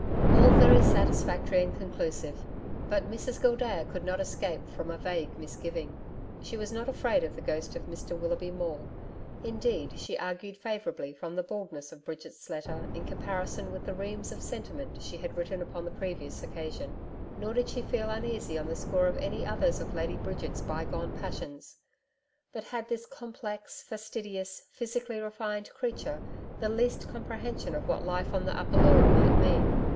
All very satisfactory and conclusive. But Mrs Gildea could not escape from a vague misgiving. She was not afraid of the ghost of Mr Willoughby Maule: indeed, she argued favourably from the baldness of Bridget's letter in comparison with the reams of sentiment she had written upon the previous occasion. Nor did she feel uneasy on the score of any others of Lady Bridget's bygone passions. But had this complex, fastidious, physically refined creature the least comprehension of what life on the Upper Leura might mean?